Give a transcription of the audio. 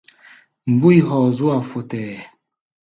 Mbúi hɔɔ zú-a fɔtɛɛ.